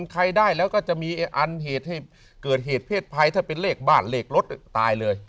ใครได้แล้วก็จะมีอันเหตุให้เกิดเหตุเพศภัยถ้าเป็นเลขบ้านเลขรถตายเลย